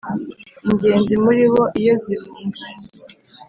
Ingenzi muri bo iyo zibumbye.